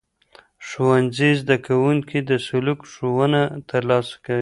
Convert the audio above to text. ښوونځي زدهکوونکي د سلوک ښوونه ترلاسه کوي.